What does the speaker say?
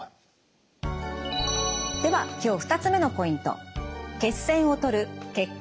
では今日２つ目のポイント。